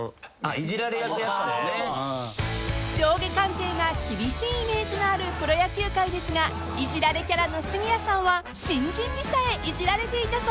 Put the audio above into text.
［上下関係が厳しいイメージのあるプロ野球界ですがいじられキャラの杉谷さんは新人にさえいじられていたそうで］